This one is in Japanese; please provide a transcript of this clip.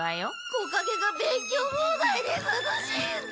木陰が勉強放題で涼しいんだよ！